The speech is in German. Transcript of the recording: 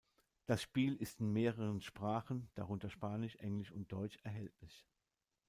Das Spiel ist in mehreren Sprachen, darunter Spanisch, Englisch und Deutsch erhältlich.